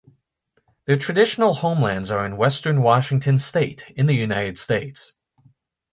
Their traditional homelands are in western Washington state in the United States.